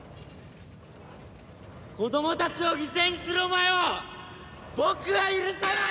子供たちを犠牲にするお前を僕は許さない！